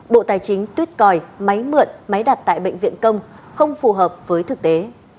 bộ tài chính tuyết còi máy mượn máy đặt tại bệnh viện công không phù hợp với thực tế